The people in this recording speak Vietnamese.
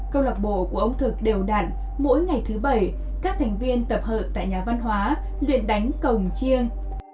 câu lạc bộ của ông thực đều đặn mỗi ngày thứ bảy các thành viên tập hợp tại nhà văn hóa luyện đánh cổng chiêng